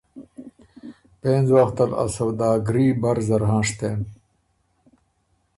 پېنځ وخته ل ا سوداګري بر زر هنشتکِن۔